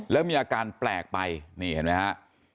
แล้วมีอาการแปลกไปนี่เห็นไหมฮะ